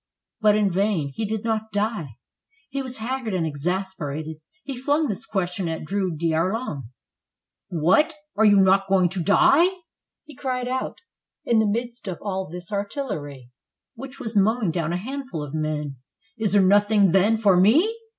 But in vain; he did not die. He was haggard and exasperated. He flung this question at Drouet d'Erlon: "What! are you not going to die? " He cried out in the midst of all this artillery which was mowing down a handful of men : "Is there nothing, then, for me?